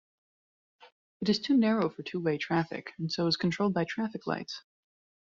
It is too narrow for two-way traffic, and so is controlled by traffic lights.